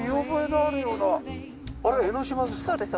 あれ江の島ですか？